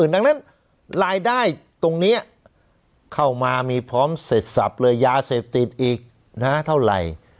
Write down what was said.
ตรงนั้นลายได้ตรงเนี่ยเข้ามามีพร้อมเซษศัพท์เลยยาเสพติดอีกเท่าไร